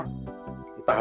kita harus mencari penjaga